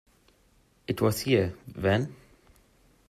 It was here, then?